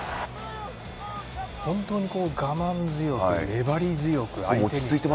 本当に我慢強く、粘り強く。